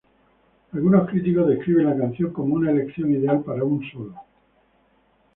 Algunos críticos describen la canción como una "elección ideal para un solo.